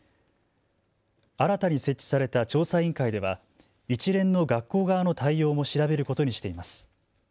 新たに設置された調査委員会では一連の学校側の対応も調べることにしています。